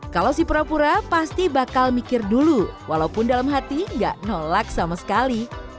kalau si pura pura pasti bakal mikir dulu walaupun dalam hati gak nolak sama sekali